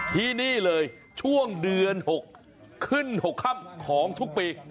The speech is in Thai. ที่นี่เลยช่วงเดือน๖ขึ้น๖ค่ำของทุกปี